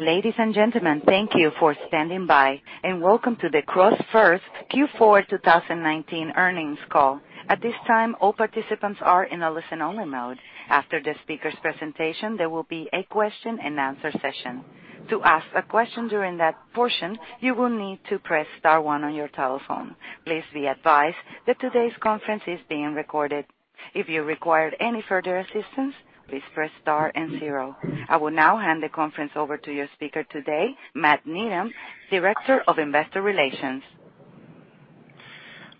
Ladies and gentlemen, thank you for standing by, and welcome to the CrossFirst Q4 2019 earnings call. At this time, all participants are in a listen-only mode. After the speaker's presentation, there will be a question-and-answer session. To ask a question during that portion, you will need to press star one on your telephone. Please be advised that today's conference is being recorded. If you require any further assistance, please press star and zero. I will now hand the conference over to your speaker today, Matt Needham, Director of Investor Relations.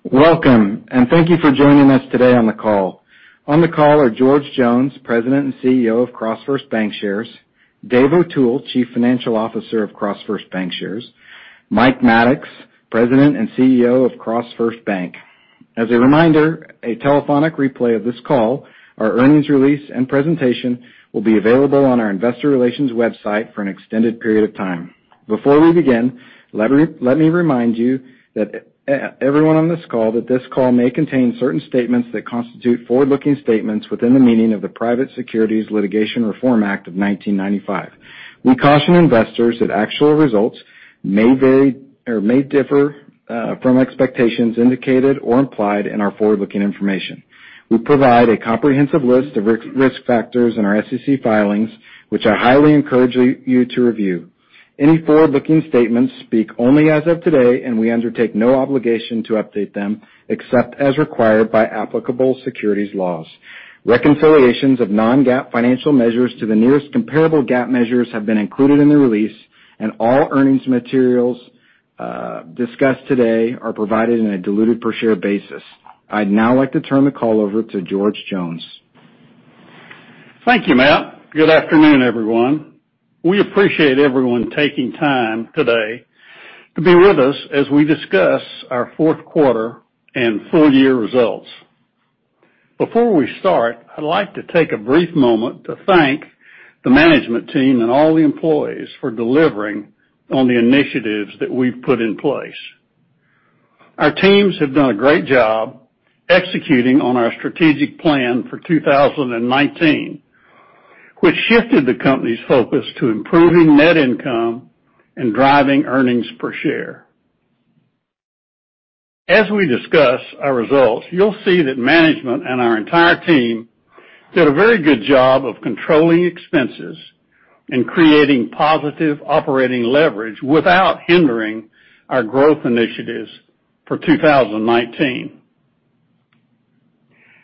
Welcome, and thank you for joining us today on the call. On the call are George Jones, President and CEO of CrossFirst Bankshares, Dave O'Toole, Chief Financial Officer of CrossFirst Bankshares, Mike Maddox, President and CEO of CrossFirst Bank. As a reminder, a telephonic replay of this call, our earnings release, and presentation will be available on our investor relations website for an extended period of time. Before we begin, let me remind you, everyone on this call, that this call may contain certain statements that constitute forward-looking statements within the meaning of the Private Securities Litigation Reform Act of 1995. We caution investors that actual results may vary or may differ from expectations indicated or implied in our forward-looking information. We provide a comprehensive list of risk factors in our SEC filings, which I highly encourage you to review. Any forward-looking statements speak only as of today, and we undertake no obligation to update them except as required by applicable securities laws. Reconciliations of non-GAAP financial measures to the nearest comparable GAAP measures have been included in the release, and all earnings materials discussed today are provided on a diluted per share basis. I'd now like to turn the call over to George Jones. Thank you, Matt. Good afternoon, everyone. We appreciate everyone taking time today to be with us as we discuss our fourth quarter and full-year results. Before we start, I'd like to take a brief moment to thank the management team and all the employees for delivering on the initiatives that we've put in place. Our teams have done a great job executing on our strategic plan for 2019, which shifted the company's focus to improving net income and driving earnings per share. As we discuss our results, you'll see that management and our entire team did a very good job of controlling expenses and creating positive operating leverage without hindering our growth initiatives for 2019.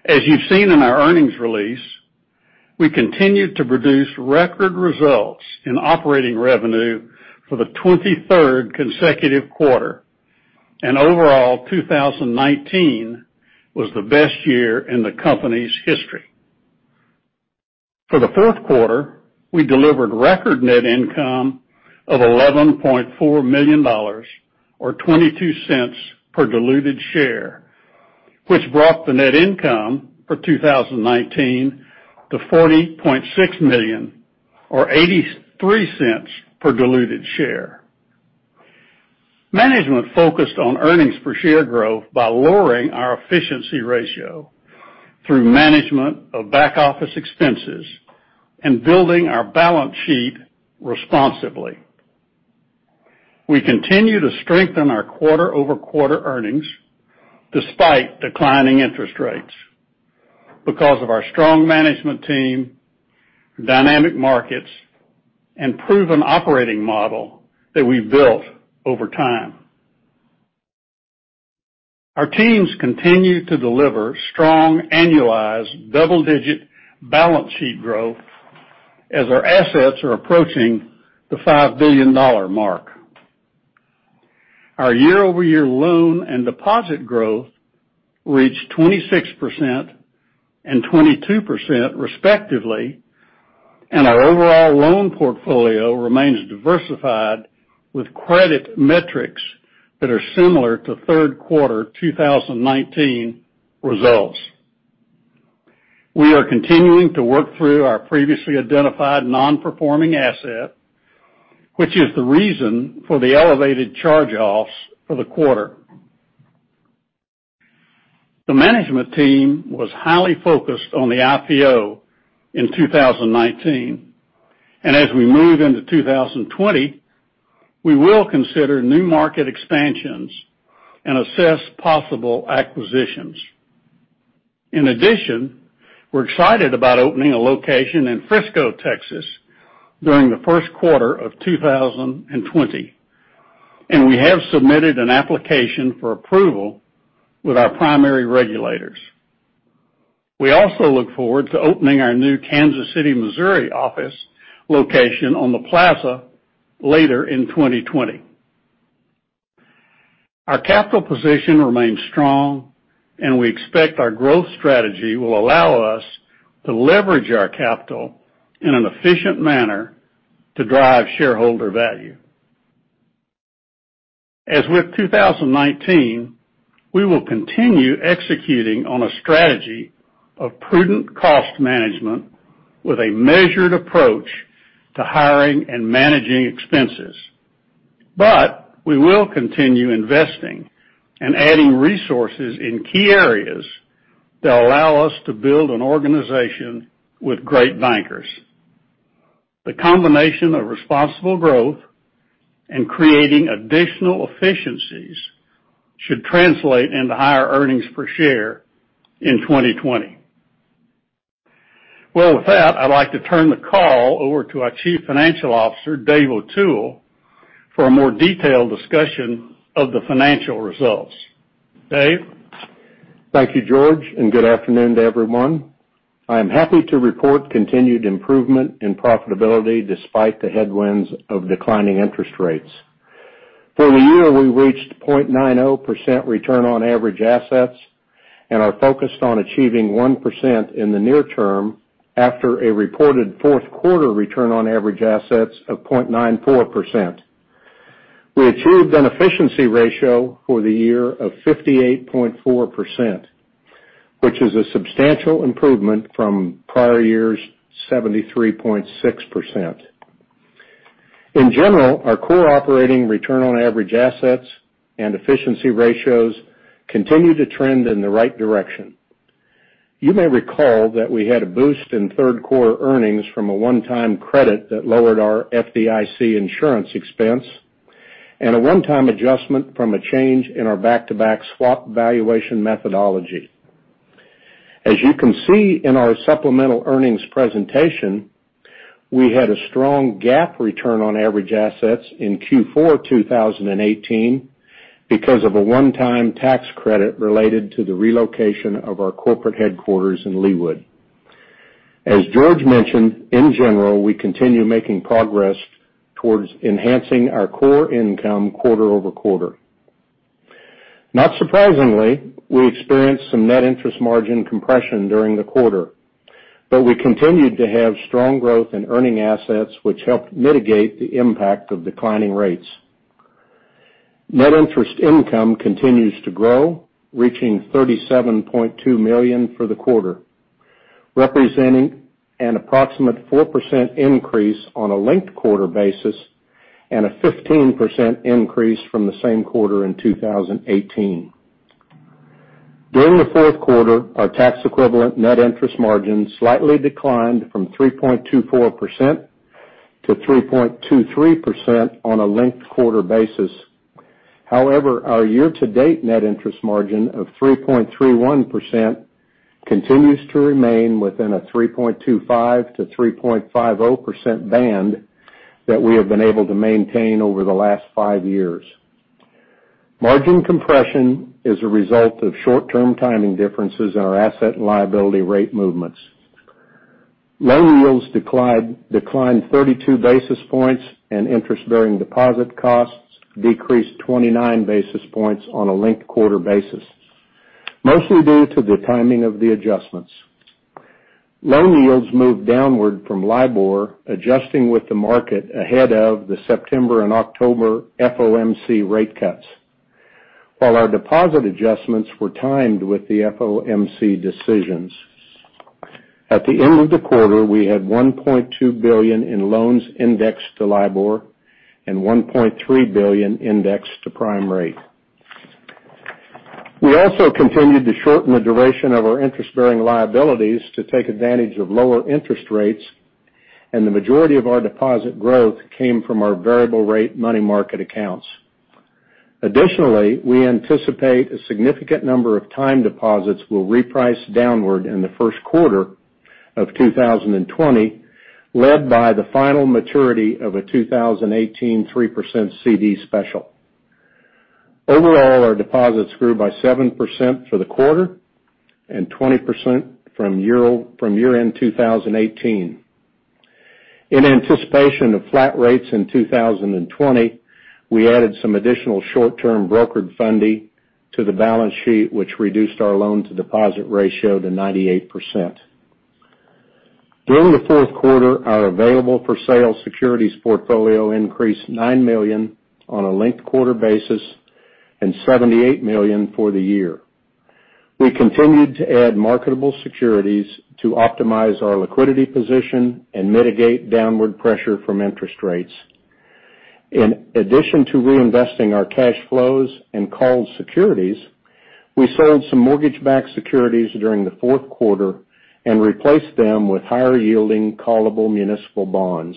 As you've seen in our earnings release, we continued to produce record results in operating revenue for the 23rd consecutive quarter. Overall, 2019 was the best year in the company's history. For the fourth quarter, we delivered record net income of $11.4 million, or $0.22 per diluted share, which brought the net income for 2019 to $40.6 million or $0.83 per diluted share. Management focused on earnings per share growth by lowering our efficiency ratio through management of back-office expenses and building our balance sheet responsibly. We continue to strengthen our quarter-over-quarter earnings despite declining interest rates because of our strong management team, dynamic markets, and proven operating model that we've built over time. Our teams continue to deliver strong annualized double-digit balance sheet growth as our assets are approaching the $5 billion mark. Our year-over-year loan and deposit growth reached 26% and 22% respectively, our overall loan portfolio remains diversified, with credit metrics that are similar to third quarter 2019 results. We are continuing to work through our previously identified non-performing asset, which is the reason for the elevated charge-offs for the quarter. The management team was highly focused on the IPO in 2019. As we move into 2020, we will consider new market expansions and assess possible acquisitions. In addition, we're excited about opening a location in Frisco, Texas, during the first quarter of 2020. We have submitted an application for approval with our primary regulators. We also look forward to opening our new Kansas City, Missouri, office location on the Plaza later in 2020. Our capital position remains strong. We expect our growth strategy will allow us to leverage our capital in an efficient manner to drive shareholder value. As with 2019, we will continue executing on a strategy of prudent cost management with a measured approach to hiring and managing expenses. We will continue investing and adding resources in key areas that allow us to build an organization with great bankers. The combination of responsible growth and creating additional efficiencies should translate into higher earnings per share in 2020. Well, with that, I'd like to turn the call over to our Chief Financial Officer, Dave O'Toole, for a more detailed discussion of the financial results. Dave? Thank you, George, and good afternoon to everyone. I am happy to report continued improvement in profitability despite the headwinds of declining interest rates. For the year, we reached 0.90% return on average assets and are focused on achieving 1% in the near term after a reported fourth quarter return on average assets of 0.94%. We achieved an efficiency ratio for the year of 58.4%, which is a substantial improvement from prior year's 73.6%. In general, our core operating return on average assets and efficiency ratios continue to trend in the right direction. You may recall that we had a boost in third quarter earnings from a one-time credit that lowered our FDIC insurance expense and a one-time adjustment from a change in our back-to-back swap valuation methodology. As you can see in our supplemental earnings presentation, we had a strong GAAP return on average assets in Q4 2018 because of a one-time tax credit related to the relocation of our corporate headquarters in Leawood. As George mentioned, in general, we continue making progress towards enhancing our core income quarter-over-quarter. Not surprisingly, we experienced some net interest margin compression during the quarter, but we continued to have strong growth in earning assets, which helped mitigate the impact of declining rates. Net interest income continues to grow, reaching $37.2 million for the quarter, representing an approximate 4% increase on a linked-quarter basis and a 15% increase from the same quarter in 2018. During the fourth quarter, our tax-equivalent net interest margin slightly declined from 3.24%-3.23% on a linked-quarter basis. However, our year-to-date net interest margin of 3.31% continues to remain within a 3.25%-3.50% band that we have been able to maintain over the last five years. Margin compression is a result of short-term timing differences in our asset and liability rate movements. Loan yields declined 32 basis points and interest-bearing deposit costs decreased 29 basis points on a linked-quarter basis, mostly due to the timing of the adjustments. Loan yields moved downward from LIBOR, adjusting with the market ahead of the September and October FOMC rate cuts, while our deposit adjustments were timed with the FOMC decisions. At the end of the quarter, we had $1.2 billion in loans indexed to LIBOR and $1.3 billion indexed to prime rate. We also continued to shorten the duration of our interest-bearing liabilities to take advantage of lower interest rates, and the majority of our deposit growth came from our variable rate money market accounts. Additionally, we anticipate a significant number of time deposits will reprice downward in the first quarter of 2020, led by the final maturity of a 2018 3% CD special. Overall, our deposits grew by 7% for the quarter and 20% from year-end 2018. In anticipation of flat rates in 2020, we added some additional short-term brokered funding to the balance sheet, which reduced our loan-to-deposit ratio to 98%. During the fourth quarter, our available-for-sale securities portfolio increased $9 million on a linked-quarter basis and $78 million for the year. We continued to add marketable securities to optimize our liquidity position and mitigate downward pressure from interest rates. In addition to reinvesting our cash flows and called securities, we sold some mortgage-backed securities during the fourth quarter and replaced them with higher-yielding callable municipal bonds.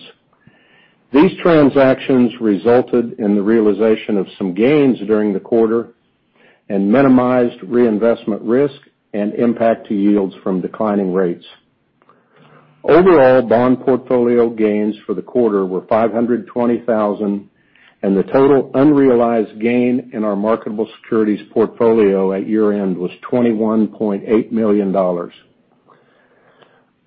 These transactions resulted in the realization of some gains during the quarter and minimized reinvestment risk and impact to yields from declining rates. Overall, bond portfolio gains for the quarter were $520,000, and the total unrealized gain in our marketable securities portfolio at year-end was $21.8 million.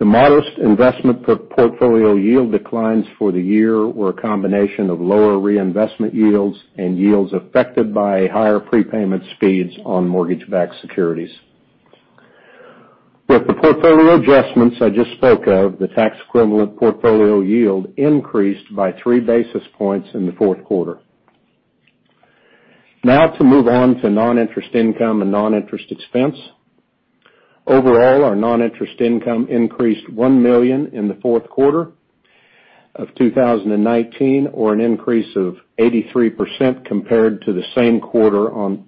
The modest investment portfolio yield declines for the year were a combination of lower reinvestment yields and yields affected by higher prepayment speeds on mortgage-backed securities. With the portfolio adjustments I just spoke of, the tax-equivalent portfolio yield increased by three basis points in the fourth quarter. To move on to non-interest income and non-interest expense. Overall, our non-interest income increased $1 million in the fourth quarter of 2019, or an increase of 83% compared to the same quarter of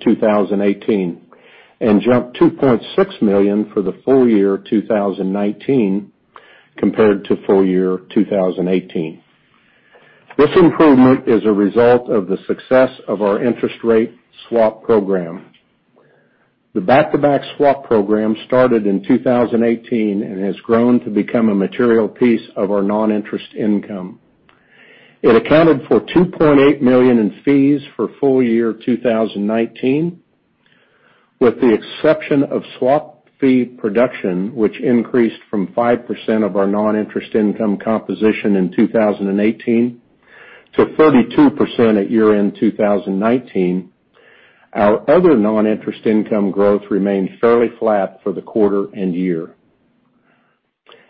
2018 and jumped $2.6 million for the full year 2019 compared to full year 2018. This improvement is a result of the success of our interest rate swap program. The back-to-back swap program started in 2018 and has grown to become a material piece of our non-interest income. It accounted for $2.8 million in fees for full year 2019. With the exception of swap fee production, which increased from 5% of our non-interest income composition in 2018 to 32% at year-end 2019, our other non-interest income growth remained fairly flat for the quarter and year.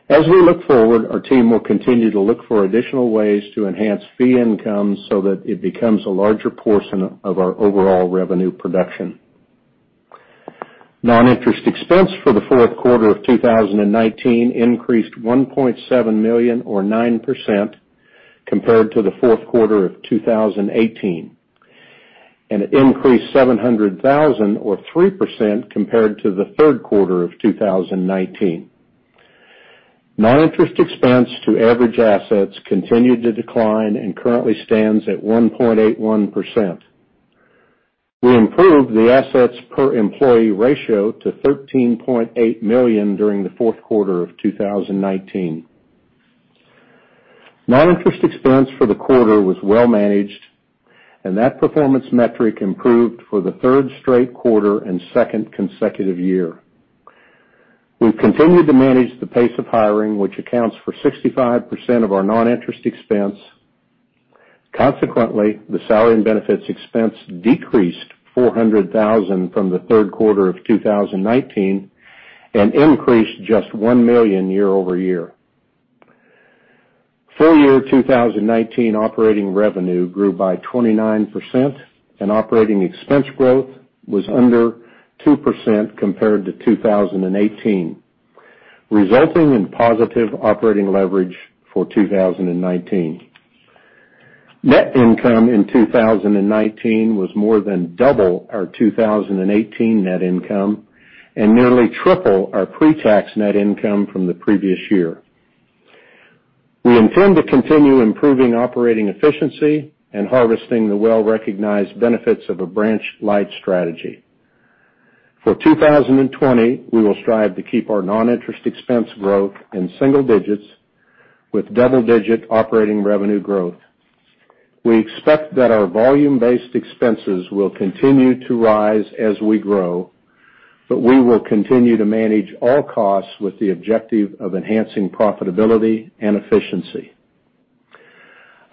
As we look forward, our team will continue to look for additional ways to enhance fee income so that it becomes a larger portion of our overall revenue production. Non-interest expense for the fourth quarter of 2019 increased $1.7 million or 9% compared to the fourth quarter of 2018, and it increased $700,000 or 3% compared to the third quarter of 2019. Non-interest expense to average assets continued to decline and currently stands at 1.81%. We improved the assets per employee ratio to $13.8 million during the fourth quarter of 2019. Non-interest expense for the quarter was well managed, and that performance metric improved for the third straight quarter and second consecutive year. We've continued to manage the pace of hiring, which accounts for 65% of our non-interest expense. Consequently, the salary and benefits expense decreased $400,000 from the third quarter of 2019 and increased just $1 million year-over-year. Full year 2019 operating revenue grew by 29%, and operating expense growth was under 2% compared to 2018, resulting in positive operating leverage for 2019. Net income in 2019 was more than double our 2018 net income and nearly triple our pre-tax net income from the previous year. We intend to continue improving operating efficiency and harvesting the well-recognized benefits of a branch-light strategy. For 2020, we will strive to keep our non-interest expense growth in single digits with double-digit operating revenue growth. We expect that our volume-based expenses will continue to rise as we grow, but we will continue to manage all costs with the objective of enhancing profitability and efficiency.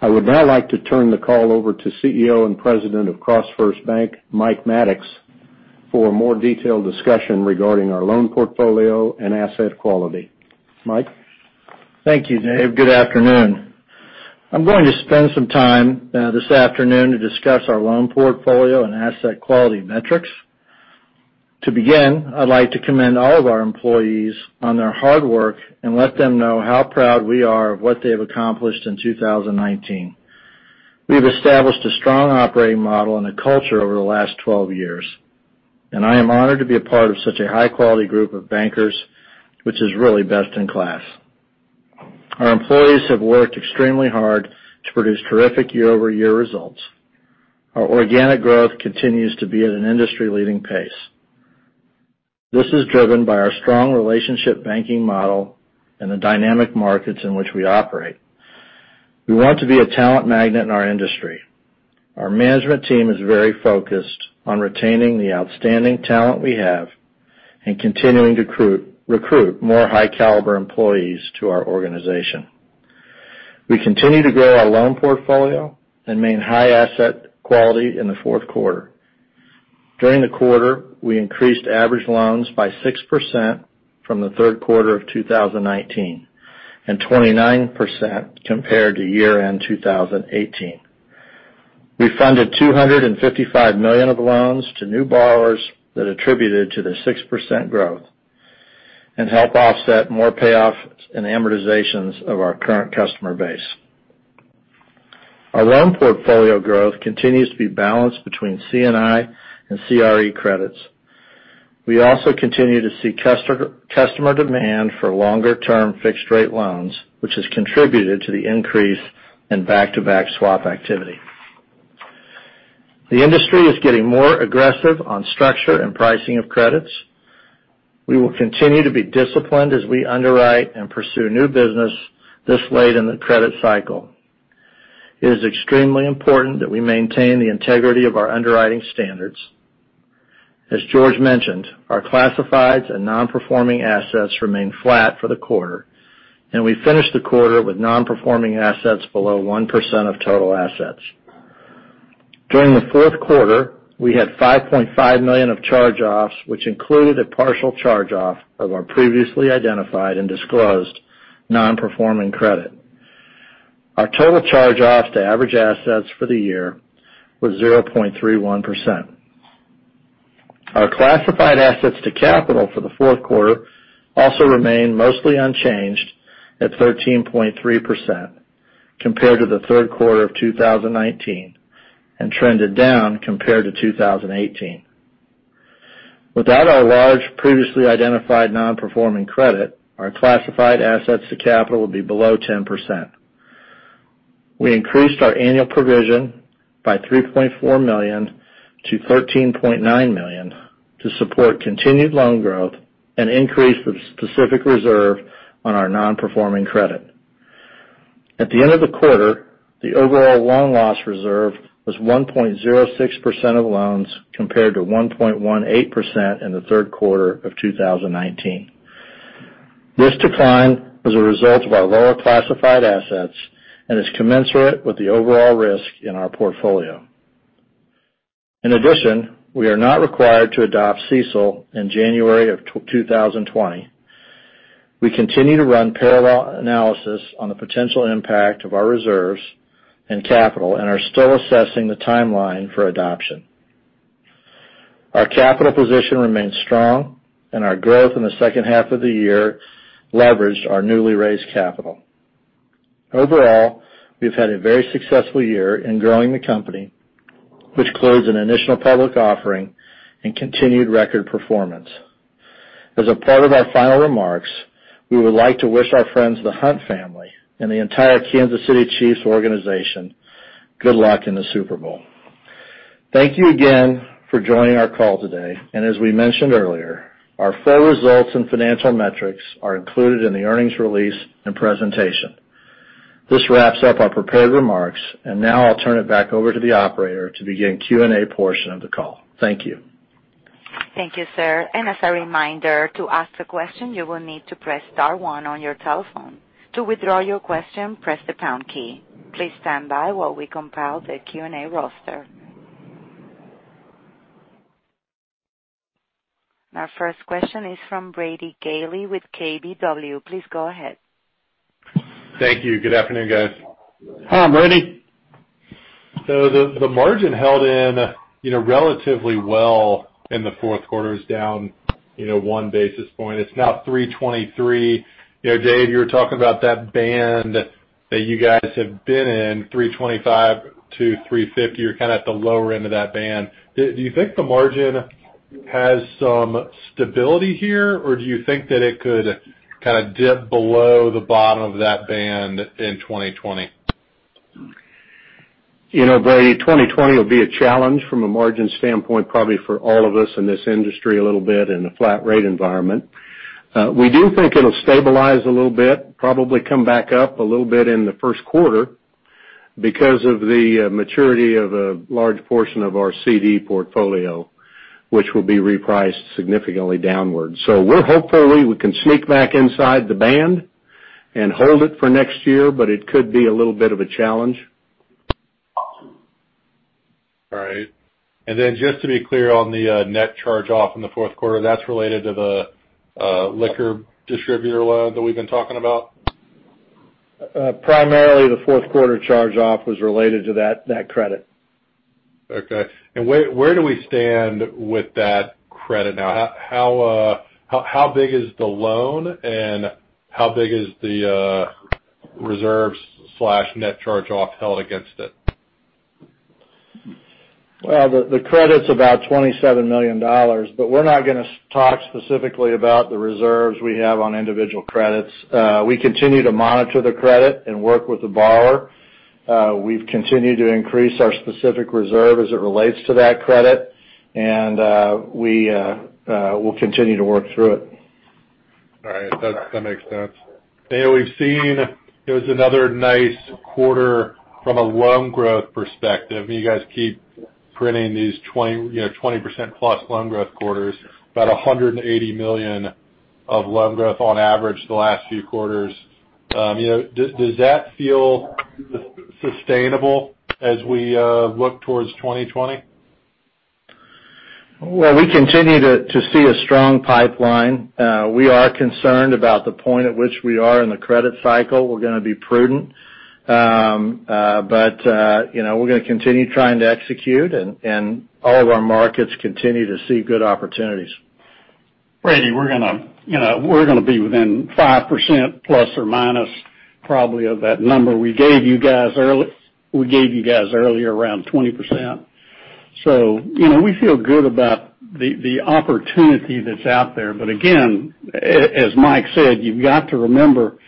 I would now like to turn the call over to CEO and President of CrossFirst Bank, Mike Maddox, for a more detailed discussion regarding our loan portfolio and asset quality. Mike? Thank you, Dave. Good afternoon. I'm going to spend some time this afternoon to discuss our loan portfolio and asset quality metrics. To begin, I'd like to commend all of our employees on their hard work and let them know how proud we are of what they have accomplished in 2019. We've established a strong operating model and a culture over the last 12 years, and I am honored to be a part of such a high-quality group of bankers, which is really best in class. Our employees have worked extremely hard to produce terrific year-over-year results. Our organic growth continues to be at an industry-leading pace. This is driven by our strong relationship banking model and the dynamic markets in which we operate. We want to be a talent magnet in our industry. Our management team is very focused on retaining the outstanding talent we have and continuing to recruit more high-caliber employees to our organization. We continue to grow our loan portfolio and maintain high asset quality in the fourth quarter. During the quarter, we increased average loans by 6% from the third quarter of 2019 and 29% compared to year-end 2018. We funded $255 million of loans to new borrowers that attributed to the 6% growth and help offset more payoffs and amortizations of our current customer base. Our loan portfolio growth continues to be balanced between C&I and CRE credits. We also continue to see customer demand for longer-term fixed rate loans, which has contributed to the increase in back-to-back swap activity. The industry is getting more aggressive on structure and pricing of credits. We will continue to be disciplined as we underwrite and pursue new business this late in the credit cycle. It is extremely important that we maintain the integrity of our underwriting standards. As George mentioned, our classifieds and non-performing assets remained flat for the quarter, and we finished the quarter with non-performing assets below 1% of total assets. During the fourth quarter, we had $5.5 million of charge-offs, which included a partial charge-off of our previously identified and disclosed non-performing credit. Our total charge-offs to average assets for the year was 0.31%. Our classified assets to capital for the fourth quarter also remained mostly unchanged at 13.3% compared to the third quarter of 2019 and trended down compared to 2018. Without our large previously identified non-performing credit, our classified assets to capital would be below 10%. We increased our annual provision by $3.4 million-$13.9 million to support continued loan growth and increase the specific reserve on our non-performing credit. At the end of the quarter, the overall loan loss reserve was 1.06% of loans, compared to 1.18% in the third quarter of 2019. This decline was a result of our lower classified assets and is commensurate with the overall risk in our portfolio. In addition, we are not required to adopt CECL in January of 2020. We continue to run parallel analysis on the potential impact of our reserves and capital and are still assessing the timeline for adoption. Our capital position remains strong, and our growth in the second half of the year leveraged our newly raised capital. Overall, we've had a very successful year in growing the company, which includes an initial public offering and continued record performance. As a part of our final remarks, we would like to wish our friends, the Hunt family, and the entire Kansas City Chiefs organization good luck in the Super Bowl. Thank you again for joining our call today. As we mentioned earlier, our full results and financial metrics are included in the earnings release and presentation. This wraps up our prepared remarks, and now I'll turn it back over to the operator to begin Q&A portion of the call. Thank you. Thank you, sir. As a reminder, to ask a question, you will need to press star one on your telephone. To withdraw your question, press the pound key. Please stand by while we compile the Q&A roster. Our first question is from Brady Gailey with KBW. Please go ahead. Thank you. Good afternoon, guys. Hi, Brady. The margin held in relatively well in the fourth quarter. It's down one basis point. It's now 323. Dave, you were talking about that band that you guys have been in, 325-350. You're kind of at the lower end of that band. Do you think the margin has some stability here, or do you think that it could kind of dip below the bottom of that band in 2020? You know, Brady, 2020 will be a challenge from a margin standpoint, probably for all of us in this industry a little bit, in a flat rate environment. We do think it'll stabilize a little bit, probably come back up a little bit in the first quarter because of the maturity of a large portion of our CD portfolio, which will be repriced significantly downward. We're hopeful we can sneak back inside the band and hold it for next year. It could be a little bit of a challenge. All right. Just to be clear on the net charge-off in the fourth quarter, that's related to the liquor distributor loan that we've been talking about? Primarily, the fourth quarter charge-off was related to that credit. Okay. Where do we stand with that credit now? How big is the loan, and how big is the reserves/net charge-off held against it? Well, the credit's about $27 million, but we're not going to talk specifically about the reserves we have on individual credits. We continue to monitor the credit and work with the borrower. We've continued to increase our specific reserve as it relates to that credit, and we'll continue to work through it. All right. That makes sense. We've seen it was another nice quarter from a loan growth perspective. You guys keep printing these 20%+ loan growth quarters, about $180 million of loan growth on average the last few quarters. Does that feel sustainable as we look towards 2020? Well, we continue to see a strong pipeline. We are concerned about the point at which we are in the credit cycle. We're going to be prudent. We're going to continue trying to execute, and all of our markets continue to see good opportunities. Brady, we're going to be within 5%± probably of that number we gave you guys earlier, around 20%. We feel good about the opportunity that's out there. Again, as Mike said, you've got to remember,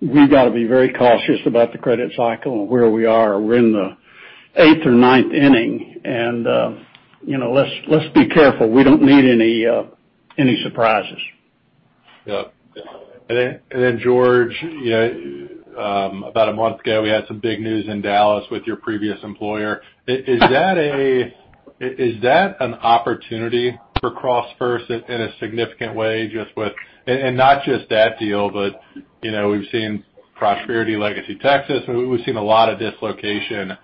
we've got to be very cautious about the credit cycle and where we are. We're in the 8th or 9th inning, and let's be careful. We don't need any surprises. Yep. Then, George, about a month ago, we had some big news in Dallas with your previous employer. Is that an opportunity for CrossFirst in a significant way? Not just that deal, but we've seen Prosperity, LegacyTexas, and we've seen a lot of dislocation,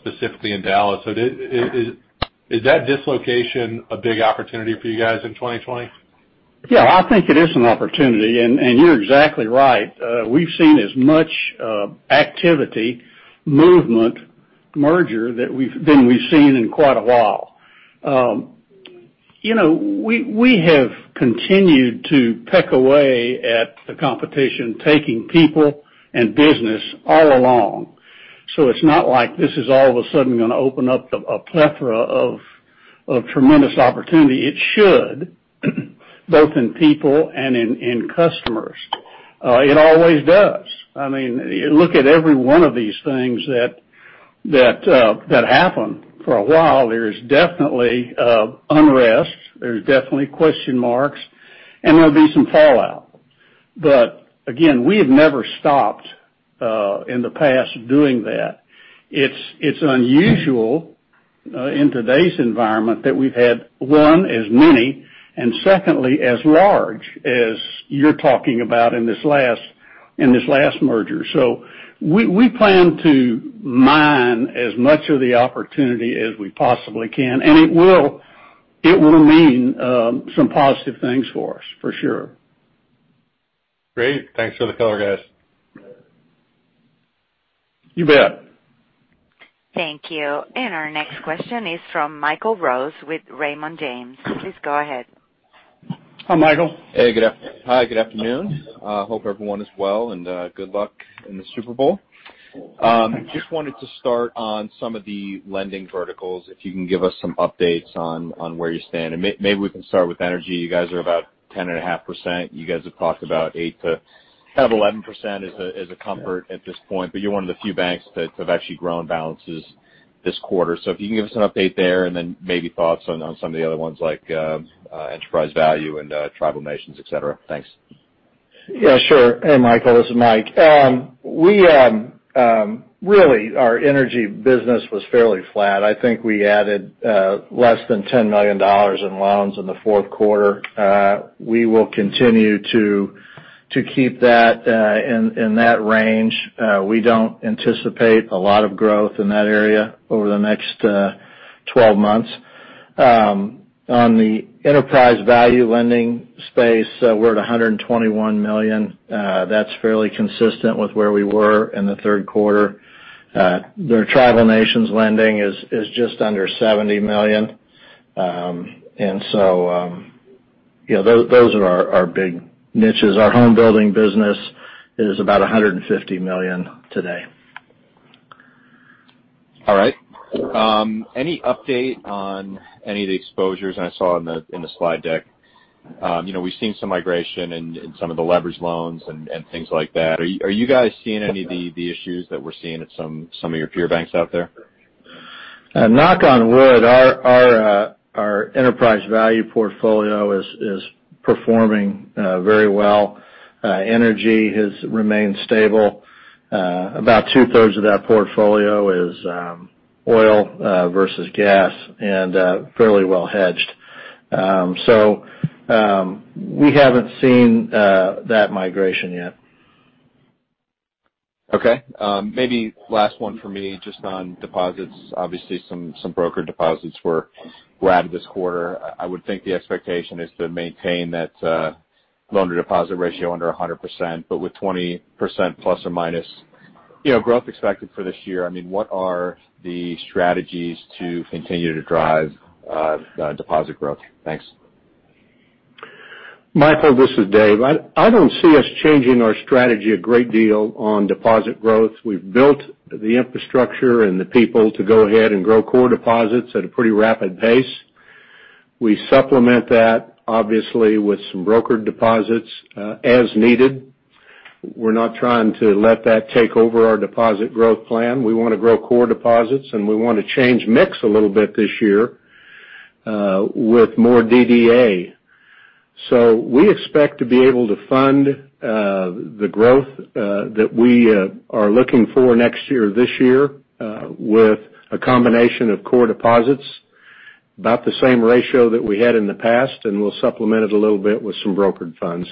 specifically in Dallas. Is that dislocation a big opportunity for you guys in 2020? Yeah, I think it is an opportunity, and you're exactly right. We've seen as much activity, movement, merger than we've seen in quite a while. We have continued to peck away at the competition, taking people and business all along. It's not like this is all of a sudden going to open up a plethora of tremendous opportunity. It should, both in people and in customers. It always does. Look at every one of these things that happen. For a while, there's definitely unrest, there's definitely question marks, and there'll be some fallout. Again, we have never stopped in the past doing that. It's unusual in today's environment that we've had, one, as many, and secondly, as large as you're talking about in this last merger. We plan to mine as much of the opportunity as we possibly can. It will mean some positive things for us, for sure. Great. Thanks for the color, guys. You bet. Thank you. Our next question is from Michael Rose with Raymond James. Please go ahead. Hi, Michael. Hey. Hi, good afternoon. Hope everyone is well. Good luck in the Super Bowl. Just wanted to start on some of the lending verticals, if you can give us some updates on where you stand. Maybe we can start with energy. You guys are about 10.5%. You guys have talked about 8%-11% as a comfort at this point. You're one of the few banks that have actually grown balances this quarter. If you can give us an update there, then maybe thoughts on some of the other ones, like enterprise value and tribal nations, et cetera. Thanks. Yeah, sure. Hey, Michael, this is Mike. Really, our energy business was fairly flat. I think we added less than $10 million in loans in the fourth quarter. We will continue to keep that in that range. We don't anticipate a lot of growth in that area over the next 12 months. On the enterprise value lending space, we're at $121 million. That's fairly consistent with where we were in the third quarter. The tribal nations lending is just under $70 million. Those are our big niches. Our home building business is about $150 million today. All right. Any update on any of the exposures I saw in the slide deck? We've seen some migration in some of the leverage loans and things like that. Are you guys seeing any of the issues that we're seeing at some of your peer banks out there? Knock on wood, our enterprise value portfolio is performing very well. Energy has remained stable. About 2/3 of that portfolio is oil versus gas and fairly well hedged. We haven't seen that migration yet. Okay. Maybe last one for me, just on deposits. Obviously, some broker deposits were added this quarter. I would think the expectation is to maintain that loan-to-deposit ratio under 100%, but with 20%± growth expected for this year. What are the strategies to continue to drive deposit growth? Thanks. Michael, this is Dave. I don't see us changing our strategy a great deal on deposit growth. We've built the infrastructure and the people to go ahead and grow core deposits at a pretty rapid pace. We supplement that, obviously, with some brokered deposits as needed. We're not trying to let that take over our deposit growth plan. We want to grow core deposits, and we want to change mix a little bit this year with more DDA. We expect to be able to fund the growth that we are looking for next year or this year with a combination of core deposits. About the same ratio that we had in the past, we'll supplement it a little bit with some brokered funds.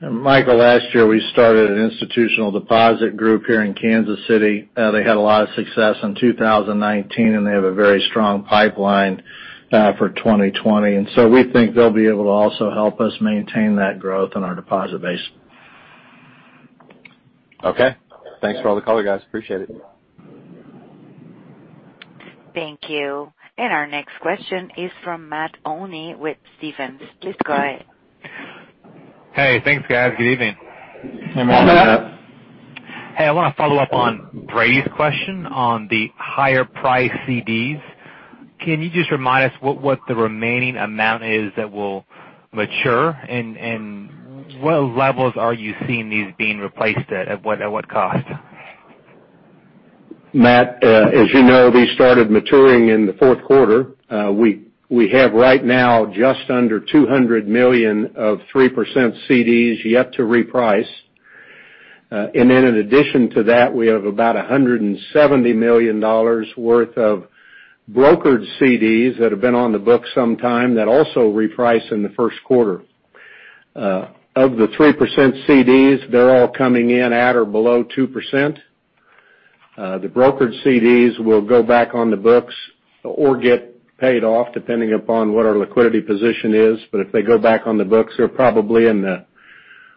Michael, last year, we started an institutional deposit group here in Kansas City. They had a lot of success in 2019, and they have a very strong pipeline for 2020. We think they'll be able to also help us maintain that growth in our deposit base. Okay. Thanks for all the color, guys. Appreciate it. Thank you. Our next question is from Matt Olney with Stephens. Please go ahead. Hey, thanks, guys. Good evening. Hey, Matt. Matt. Hey, I want to follow up on Brady's question on the higher price CDs. Can you just remind us what the remaining amount is that will mature, and what levels are you seeing these being replaced at? At what cost? Matt, as you know, these started maturing in the fourth quarter. We have right now just under $200 million of 3% CDs yet to reprice. In addition to that, we have about $170 million worth of brokered CDs that have been on the book some time that also reprice in the first quarter. Of the 3% CDs, they're all coming in at or below 2%. The brokered CDs will go back on the books or get paid off depending upon what our liquidity position is. If they go back on the books, they're probably in the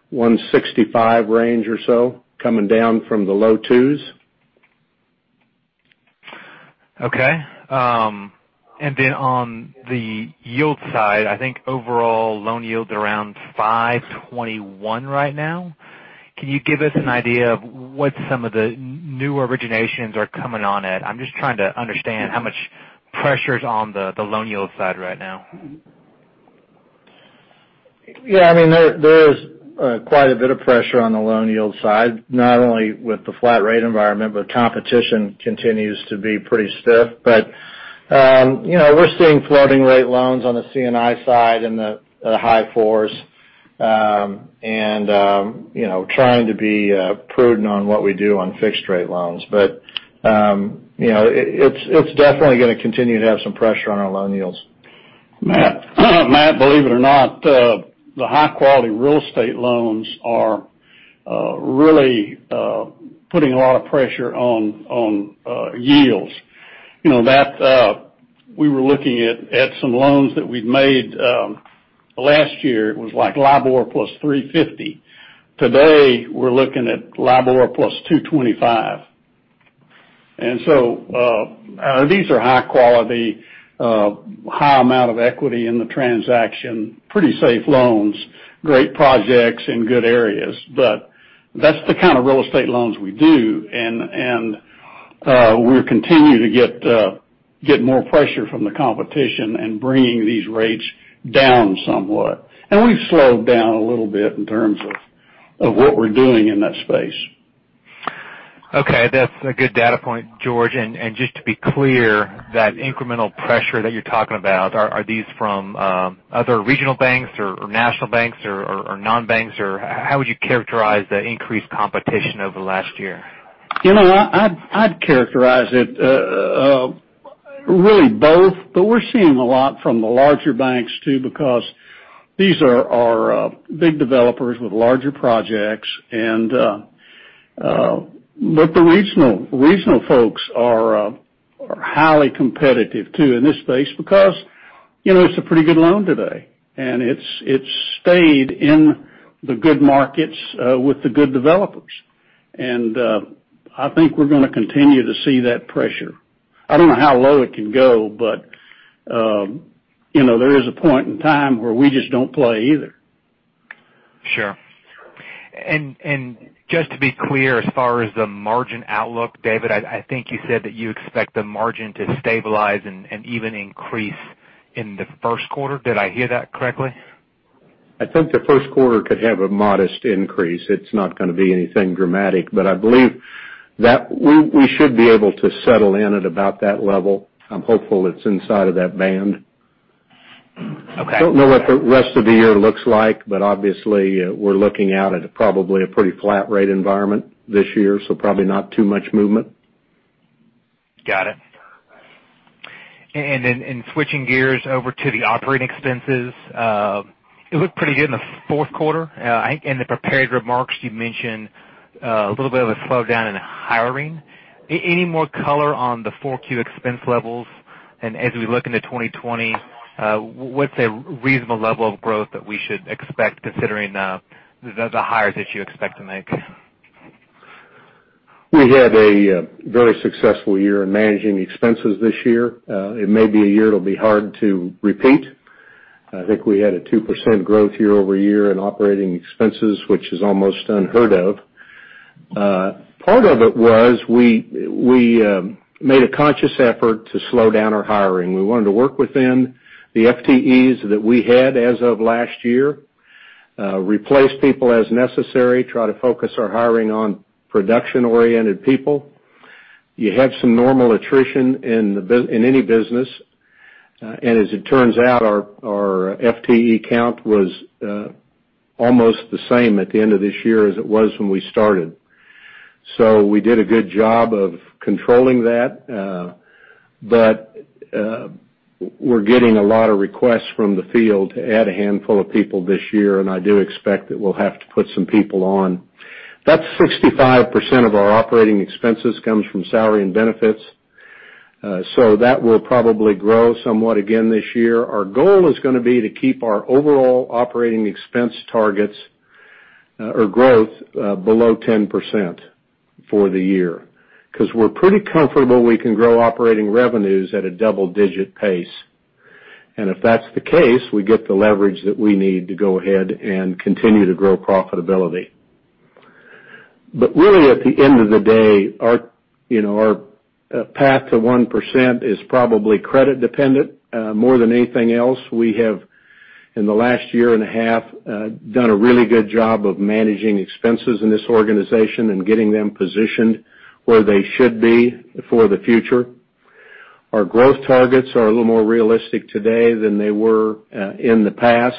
165 range or so, coming down from the low twos. Okay. On the yield side, I think overall loan yield's around 521 right now. Can you give us an idea of what some of the new originations are coming on at? I'm just trying to understand how much pressure's on the loan yield side right now. Yeah, there is quite a bit of pressure on the loan yield side, not only with the flat rate environment, but competition continues to be pretty stiff. We're seeing floating rate loans on the C&I side in the high fours and trying to be prudent on what we do on fixed rate loans. It's definitely going to continue to have some pressure on our loan yields. Matt, believe it or not, the high-quality real estate loans are really putting a lot of pressure on yields. We were looking at some loans that we'd made last year. It was like LIBOR + 350. Today, we're looking at LIBOR + 225. These are high quality, high amount of equity in the transaction, pretty safe loans, great projects in good areas. That's the kind of real estate loans we do and we continue to get more pressure from the competition and bringing these rates down somewhat. We've slowed down a little bit in terms of what we're doing in that space. Okay. That's a good data point, George. Just to be clear, that incremental pressure that you're talking about, are these from other regional banks or national banks or non-banks, or how would you characterize the increased competition over the last year? I'd characterize it really both, but we're seeing a lot from the larger banks too, because these are our big developers with larger projects. The regional folks are highly competitive too in this space because it's a pretty good loan today, and it's stayed in the good markets with the good developers. I think we're going to continue to see that pressure. I don't know how low it can go, but there is a point in time where we just don't play either. Sure. Just to be clear, as far as the margin outlook, Dave, I think you said that you expect the margin to stabilize and even increase in the first quarter. Did I hear that correctly? I think the first quarter could have a modest increase. It's not going to be anything dramatic, but I believe that we should be able to settle in at about that level. I'm hopeful it's inside of that band. Okay. Don't know what the rest of the year looks like, but obviously, we're looking out at probably a pretty flat rate environment this year, so probably not too much movement. Got it. Then switching gears over to the operating expenses, it looked pretty good in the fourth quarter. In the prepared remarks, you mentioned a little bit of a slowdown in hiring. Any more color on the 4Q expense levels? As we look into 2020, what's a reasonable level of growth that we should expect considering the hires that you expect to make? We had a very successful year in managing expenses this year. It may be a year it'll be hard to repeat. I think we had a 2% growth year-over-year in operating expenses, which is almost unheard of. Part of it was we made a conscious effort to slow down our hiring. We wanted to work within the FTEs that we had as of last year, replace people as necessary, try to focus our hiring on production-oriented people. You have some normal attrition in any business. As it turns out, our FTE count was almost the same at the end of this year as it was when we started. We did a good job of controlling that. We're getting a lot of requests from the field to add a handful of people this year, and I do expect that we'll have to put some people on. About 65% of our operating expenses comes from salary and benefits. That will probably grow somewhat again this year. Our goal is going to be to keep our overall operating expense targets or growth below 10% for the year. We're pretty comfortable we can grow operating revenues at a double-digit pace. If that's the case, we get the leverage that we need to go ahead and continue to grow profitability. Really at the end of the day, our path to 1% is probably credit dependent more than anything else. We have, in the last year and a half, done a really good job of managing expenses in this organization and getting them positioned where they should be for the future. Our growth targets are a little more realistic today than they were in the past.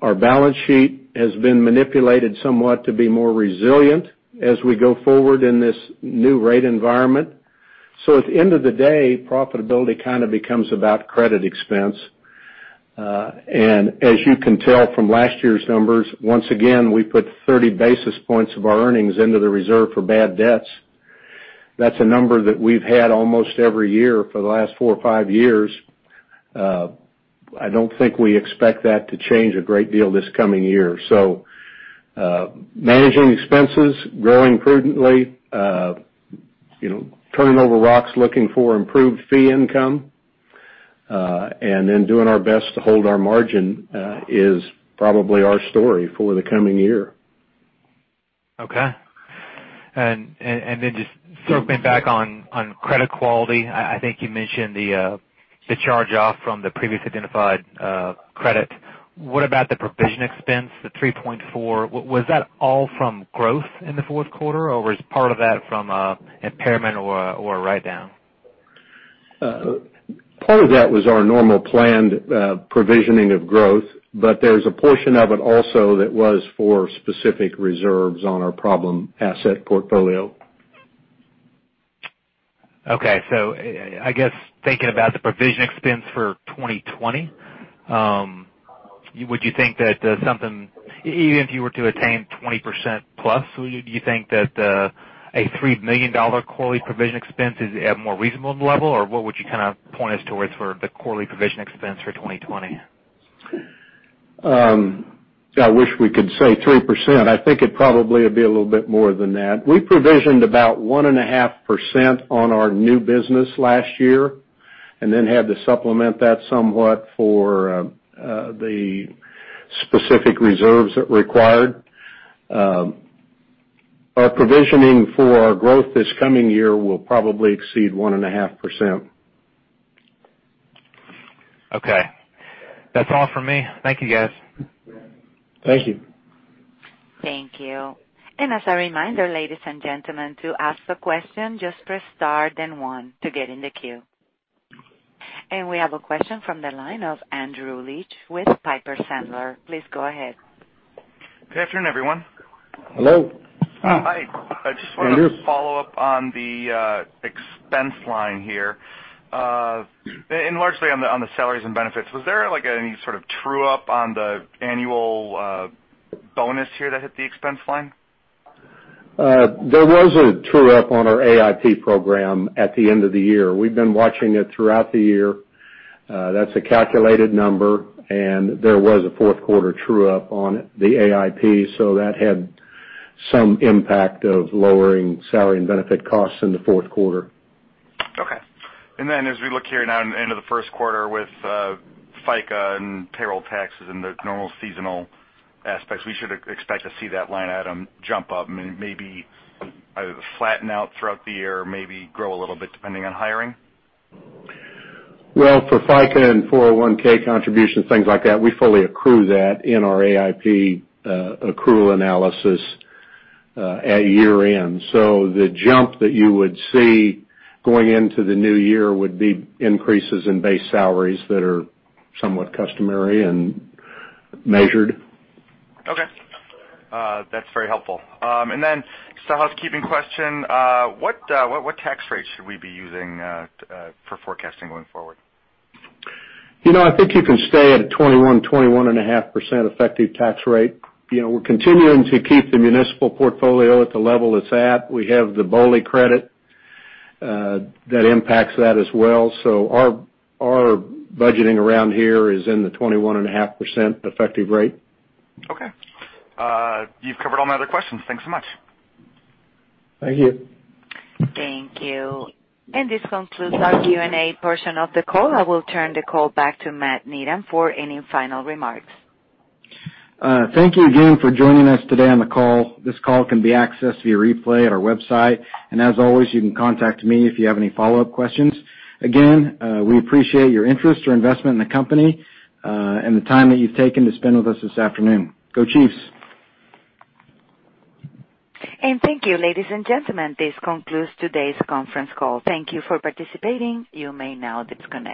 Our balance sheet has been manipulated somewhat to be more resilient as we go forward in this new rate environment. At the end of the day, profitability kind of becomes about credit expense. As you can tell from last year's numbers, once again, we put 30 basis points of our earnings into the reserve for bad debts. That's a number that we've had almost every year for the last four or five years. I don't think we expect that to change a great deal this coming year. Managing expenses, growing prudently, turning over rocks, looking for improved fee income, and then doing our best to hold our margin, is probably our story for the coming year. Okay. Just circling back on credit quality, I think you mentioned the charge-off from the previous identified credit. What about the provision expense, the $3.4 million? Was that all from growth in the fourth quarter, or was part of that from impairment or write-down? Part of that was our normal planned provisioning of growth, but there's a portion of it also that was for specific reserves on our problem asset portfolio. I guess thinking about the provision expense for 2020, would you think that something, even if you were to attain 20%+, would you think that a $3 million quarterly provision expense is at a more reasonable level? What would you kind of point us towards for the quarterly provision expense for 2020? I wish we could say 3%. I think it probably would be a little bit more than that. We provisioned about 1.5% on our new business last year and then had to supplement that somewhat for the specific reserves it required. Our provisioning for our growth this coming year will probably exceed 1.5%. Okay. That's all from me. Thank you, guys. Thank you. Thank you. As a reminder, ladies and gentlemen, to ask a question, just press star then one to get in the queue. We have a question from the line of Andrew Liesch with Piper Sandler. Please go ahead. Good afternoon, everyone. Hello. Hi. Hi, Andrew. I just wanted to follow up on the expense line here, largely on the salaries and benefits. Was there any sort of true-up on the annual bonus here that hit the expense line? There was a true-up on our AIP program at the end of the year. We've been watching it throughout the year. That's a calculated number, and there was a fourth quarter true-up on the AIP, so that had some impact of lowering salary and benefit costs in the fourth quarter. Okay. As we look here now in the end of the first quarter with FICA and payroll taxes and the normal seasonal aspects, we should expect to see that line item jump up and maybe either flatten out throughout the year or maybe grow a little bit depending on hiring? For FICA and 401 contributions, things like that, we fully accrue that in our AIP accrual analysis at year-end. The jump that you would see going into the new year would be increases in base salaries that are somewhat customary and measured. Okay. That's very helpful. Just a housekeeping question. What tax rate should we be using for forecasting going forward? I think you can stay at a 21.5% effective tax rate. We're continuing to keep the municipal portfolio at the level it's at. We have the BOLI credit, that impacts that as well. Our budgeting around here is in the 21.5% effective rate. Okay. You've covered all my other questions. Thanks so much. Thank you. Thank you. This concludes our Q&A portion of the call. I will turn the call back to Matt Needham for any final remarks. Thank you again for joining us today on the call. This call can be accessed via replay at our website. As always, you can contact me if you have any follow-up questions. Again, we appreciate your interest, your investment in the company, and the time that you've taken to spend with us this afternoon. Go, Chiefs. Thank you, ladies and gentlemen. This concludes today's conference call. Thank you for participating. You may now disconnect.